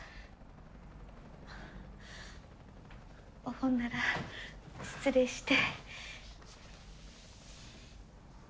ほんなら失礼して。